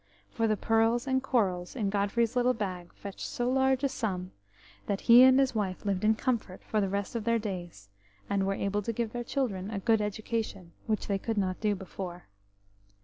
For the pearls and corals in Godfrey's little bag fetched so large a sum that he and his wife lived in comfort for the rest of their days, and were able to give their children a good education, which they could not do before.